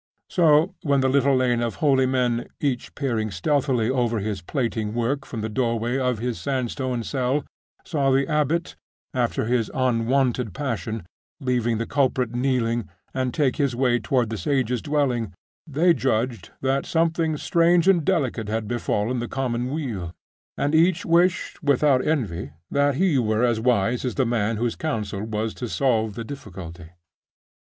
So, when the little lane of holy men, each peering stealthily over his plaiting work from the doorway of his sandstone cell, saw the abbot, after his unwonted passion, leave the culprit kneeling, and take his way toward the sage's dwelling, they judged that something strange and delicate had befallen the common weal, and each wished, without envy, that he were as wise as the man whose counsel was to solve the difficulty.